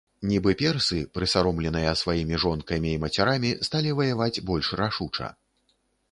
Нібы персы, прысаромленыя сваімі жонкамі і мацярамі, сталі ваяваць больш рашуча.